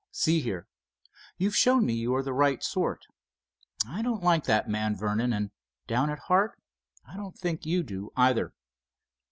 "See here, you've shown me you are the right sort. I don't like that man Vernon, and down at heart I don't think you do, either."